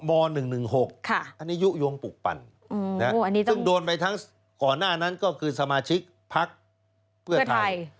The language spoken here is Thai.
๑๑๖อันนี้ยุโยงปลูกปั่นซึ่งโดนไปทั้งก่อนหน้านั้นก็คือสมาชิกพักเพื่อไทย